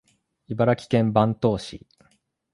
茨城県坂東市